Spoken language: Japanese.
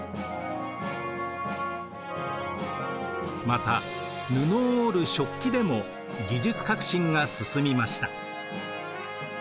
また布を織る織機でも技術革新が進みました。